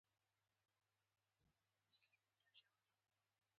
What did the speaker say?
تمدن د عقل، اخلاقو او ګډو هڅو محصول دی.